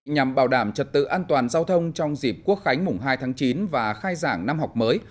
nhằm bảo đảm trật tự an toàn giao thông trong dịp quốc khánh mùng hai tháng chín và khai giảng năm học mới